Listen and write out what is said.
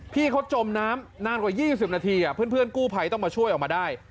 พี่เขาจมน้ำนานกว่า๒๐นาทีเพื่อนกู้ภัยต้องมาช่วยออกมาได้